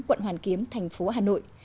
quận hoàn kiếm thành phố hà nội